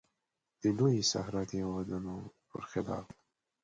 د لویې صحرا د هېوادونو پر خلاف.